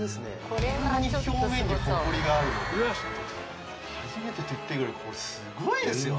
こんなに表面にホコリがあるの初めてと言っていいぐらいこれすごいですよ